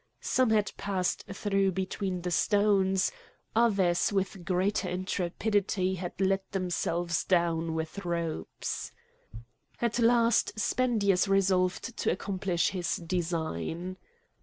Some had passed through between the stones; others with greater intrepidity had let themselves down with ropes. At last Spendius resolved to accomplish his design.